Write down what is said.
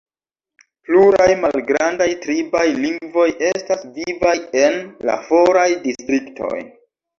Pluraj malgrandaj tribaj lingvoj estas vivaj en la foraj distriktoj.